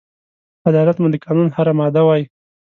عدالت مو د قانون هره ماده وای